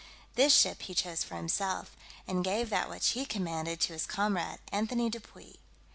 This ship he chose for himself, and gave that which he commanded to his comrade, Anthony du Puis.